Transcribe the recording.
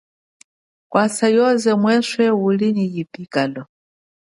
Kwasa yoze mweswe uli nyi yipikalo.